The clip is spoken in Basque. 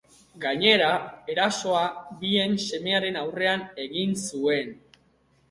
Gainera, erasoa bien semearen aurrean egin zuen.